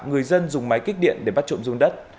người dân dùng máy kích điện để bắt trộm dung đất